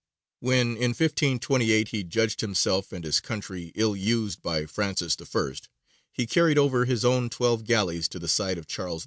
When in 1528 he judged himself and his country ill used by Francis I., he carried over his own twelve galleys to the side of Charles V.